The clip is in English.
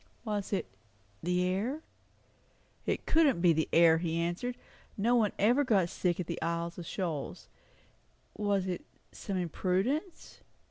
Was it the air? It couldn't be the air, he answered; nobody ever got sick at the Isles of Shoals. Was it some imprudence?